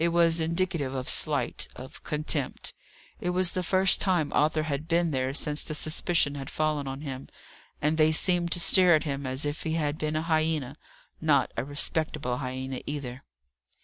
It was indicative of slight, of contempt. It was the first time Arthur had been there since the suspicion had fallen on him, and they seemed to stare at him as if he had been a hyena; not a respectable hyena either.